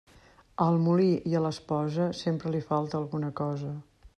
Al molí i a l'esposa, sempre li falta alguna cosa.